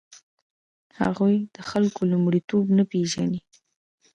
هغوی د خلکو لومړیتوب نه پېژني.